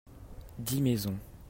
dix maisons.